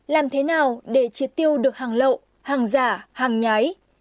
làm thế nào để chiếc tiêu được hàng lậu hàng già hàng nhái